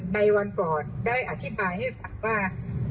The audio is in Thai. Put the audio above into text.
ในวันก่อนได้อธิบายให้ฟังว่า